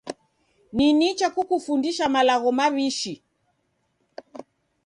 Ni nicha kukufundisha malagho maw'ishi.